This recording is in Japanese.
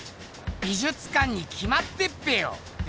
美術館にきまってっぺよ！